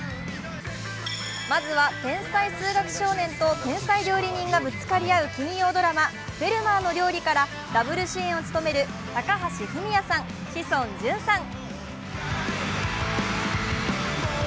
まずは、天才数学少年と天才料理人がぶつかり合う、金曜ドラマ「フェルマーの料理」からダブル主演を務める高橋文哉さん、志尊淳さん。